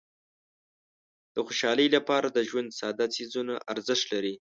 د خوشحالۍ لپاره د ژوند ساده څیزونه ارزښت لري.